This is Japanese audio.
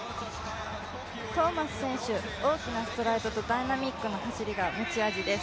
トーマス選手、大きなストライドとダイナミックな走りが持ち味です。